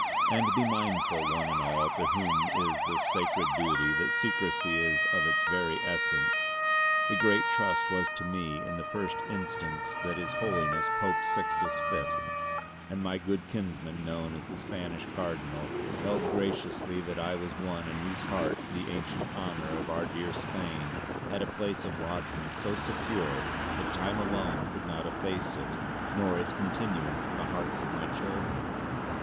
And be mindful one and all to whom is this sacred duty that secrecy is of its very essence. The great Trust was to me in the first instance in that His Holiness Pope Sixtus Fifth and my good kinsman known as the Spanish Cardinal held graciouslly that I was one in whose heart the ancient honour of our dear Spain had a place of lodgement so secure that time alone could not efface it nor its continuance in the hearts of my children.